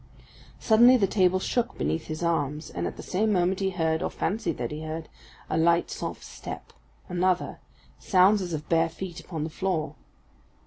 Suddenly the table shook beneath his arms, and at the same moment he heard, or fancied that he heard, a light, soft step another sounds as of bare feet upon the floor!